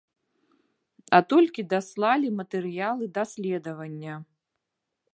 А толькі даслалі матэрыялы даследавання.